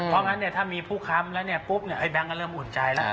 เพราะงั้นถ้ามีผู้ค้ำแล้วปุ๊บแบงกก็เริ่มอ่อนใจแล้ว